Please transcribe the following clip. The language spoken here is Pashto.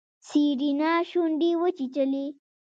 سېرېنا شونډې وچيچلې.